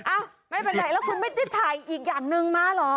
อ้าวไม่เป็นไรแล้วคุณไม่ได้ถ่ายอีกอย่างหนึ่งมาเหรอ